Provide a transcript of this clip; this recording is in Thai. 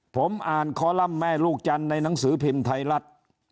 ผมอ่านคอลัมป์แม่ลูกจันทร์ในหนังสือพิมพ์ไทยรัฐ